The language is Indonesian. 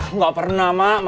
nggak pernah mak